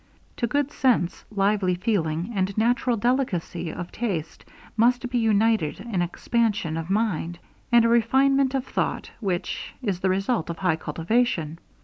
To good sense, lively feeling, and natural delicacy of taste, must be united an expansion of mind, and a refinement of thought, which is the result of high cultivation.